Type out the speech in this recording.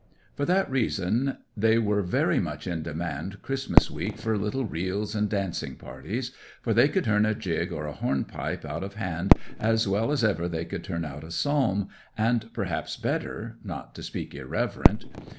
For that reason they were very much in demand Christmas week for little reels and dancing parties; for they could turn a jig or a hornpipe out of hand as well as ever they could turn out a psalm, and perhaps better, not to speak irreverent.